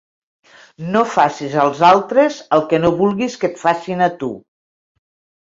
No facis als altres el que no vulguis que et facin a tu.